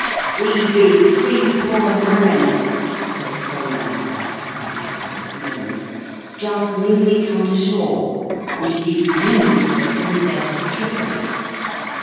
'We be three poor mariners,' said Conrad by a happy effort of memory, 'just newly come to shore. We seek news of the Princess of Tripoli.'